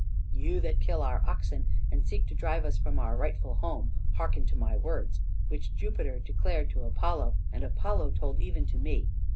"You that kill our oxen and seek to drive us from our rightful home, hearken to my words, which Jupiter declared to Apollo, and Apollo told even to me.